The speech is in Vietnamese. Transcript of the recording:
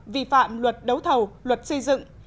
vi phạm luật đấu thầu luật xây dựng